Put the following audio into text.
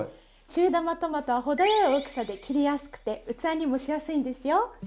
中玉トマトは程よい大きさで切りやすくて器にもしやすいんですよ。